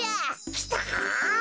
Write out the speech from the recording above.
きた。